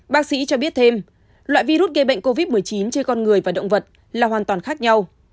bác sĩ cho biết thêm loại virus gây bệnh covid một mươi chín trên con người và động vật là hoàn toàn khác nhau